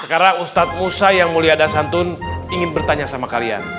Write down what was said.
sekarang ustadz musa yang mulia dan santun ingin bertanya sama kalian